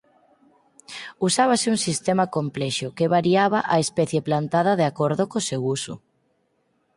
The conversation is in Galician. Usábase un sistema complexo que variaba a especie plantada de acordo co seu uso.